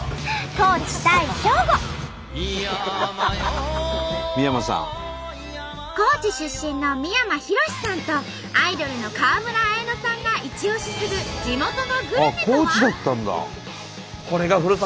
高知出身の三山ひろしさんとアイドルの川村文乃さんがイチオシする地元のグルメとは？